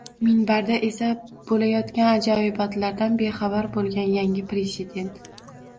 Minbarda esa, bo‘layotgan ajoyibotlardan bexabar bo‘lgan yangi Prezident